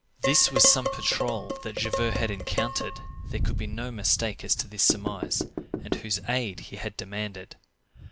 This was some patrol that Javert had encountered—there could be no mistake as to this surmise—and whose aid he had demanded.